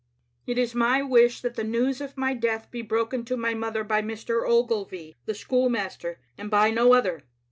" It is my wish that the news of my death be broken to my mother by Mr. Ogilvy, the schoolmaster, and by no other.